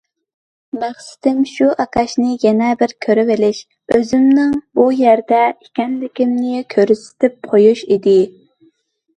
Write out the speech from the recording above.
مەقسىتىم شۇ ئاكاشنى يەنە بىر كۆرۈۋېلىش، ئۆزۈمنىڭ بۇ يەردە ئىكەنلىكىمنى كۆرسىتىپ قويۇش ئىدى.